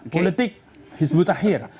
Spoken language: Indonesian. politik hizb ut tahir